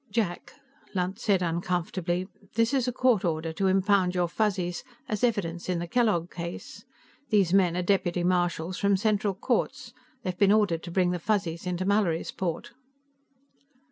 "Jack," Lunt said uncomfortably, "this is a court order to impound your Fuzzies as evidence in the Kellogg case. These men are deputy marshals from Central Courts; they've been ordered to bring the Fuzzies into Mallorysport."